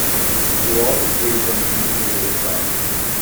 Uonn ei il Bambin vegnius baul.